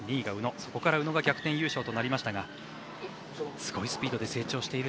そこから宇野が逆転優勝となりましたがすごいスピードで成長している。